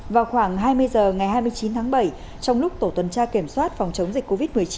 vào khoảng hai mươi h ngày hai mươi chín tháng bảy trong lúc tổ tuần tra kiểm soát phòng chống dịch covid một mươi chín